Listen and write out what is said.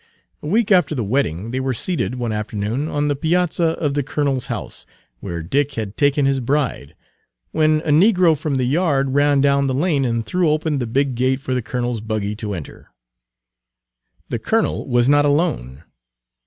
A week after the wedding they were seated, one afternoon, on the piazza of the colonel's Page 197 house, where Dick had taken his bride, when a negro from the yard ran down the lane and threw open the big gate for the colonel's buggy to enter. The colonel was not alone.